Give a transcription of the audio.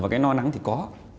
cái chân trở và cái no nắng thì có